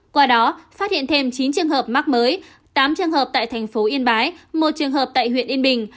qua đó phát hiện thêm chín trường hợp mắc mới tám trường hợp tại thành phố yên bái một trường hợp tại huyện yên bình